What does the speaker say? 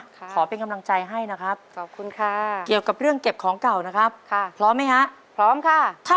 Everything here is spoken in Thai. ขอเป็นกำลังใจให้นะครับค่ะ